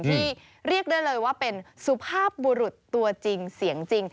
ที่เรียกได้เลยว่าเป็นสุภาพบุรุษตัวจริงเสียงจริง